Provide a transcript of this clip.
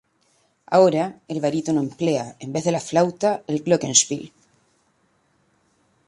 Ahora, el barítono emplea, en vez de la flauta, el glockenspiel.